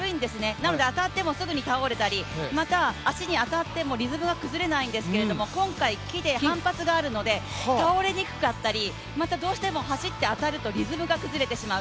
なので当たってもすぐに倒れたり、また足に当たってもリズムが崩れないんですけど今回は木で反発があるので倒れにくかったり、またどうしても走って当たるとリズムが崩れてしまう。